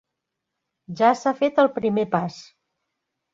Ja s'ha fet el primer pas.